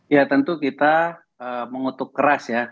ya tentu kita mengutuk keras ya